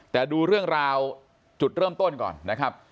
แต่ดูเรื่องราวจุดเริ่มต้นก่อนนะครับ